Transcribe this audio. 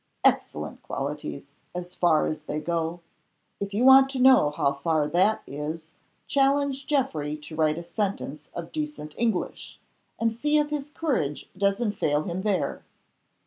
"Excellent qualities, as far as they go. If you want to know how far that is, challenge Geoffrey to write a sentence of decent English, and see if his courage doesn't fail him there.